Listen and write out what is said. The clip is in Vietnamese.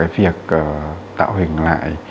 việc tạo hình lại